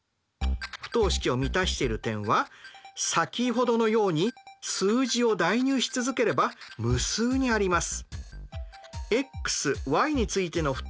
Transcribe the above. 不等式を満たしている点は先ほどのように数字を代入し続ければ無数にあります。